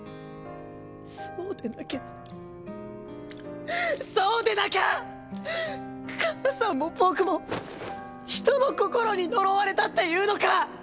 そうでなきゃそうでなきゃ母さんも僕も人の心に呪われたっていうのか！